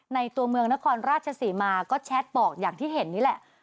ตัวเมืองนครราชศรีมาก็แชทบอกอย่างที่เห็นนี่แหละ